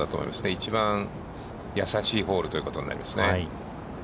一番易しいホールということになりますね。